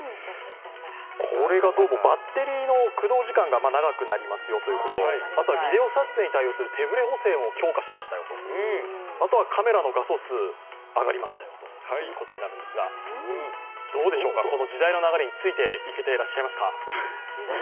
これがどうもバッテリーの駆動時間が長くなりますよということ、あとはビデオ撮影に対応する手ぶれ補整も強化しましたよと、あとはカメラの画素数、上がりますということになるんですが時代の流れについていけていらっしゃいますか？